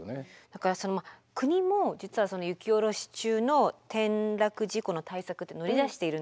だから国も実は雪おろし中の転落事故の対策って乗り出しているんですね。